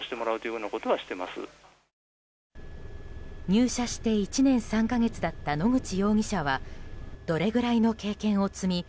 入社して１年３か月だった野口容疑者はどれぐらいの経験を積み